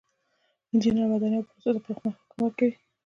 انجینران ودانیو او پروسو ته پرمختګ ورکوي.